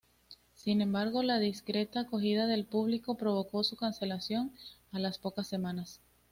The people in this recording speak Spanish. Sin embargo la discreta acogida del público provocó su cancelación a las pocas semanas.